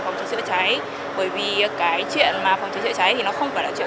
phòng cháy chữa cháy bởi vì cái chuyện mà phòng cháy chữa cháy thì nó không phải là chuyện